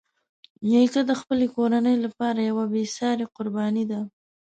نیکه د خپلې کورنۍ لپاره یوه بېساري قرباني ده.